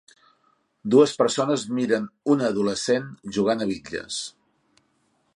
Dues persones miren una adolescent jugant a bitlles.